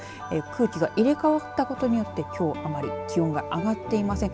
空気が入れ替わったことによってきょう、あまり気温が上がっていません。